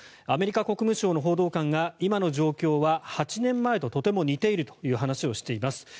アメリカ国務省の報道官が今の状況は８年前ととても似ているという話をしています。